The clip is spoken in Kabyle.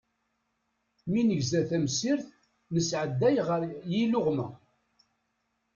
Mi negza tamsirt, nettɛedday ɣer yiluɣma.